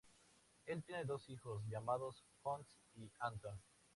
Él tiene dos hijos llamados, Fonz y Anton.